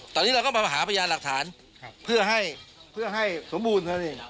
ตอนนี้เราก็มาหาพยานหลักฐานเพื่อให้สมบูรณ์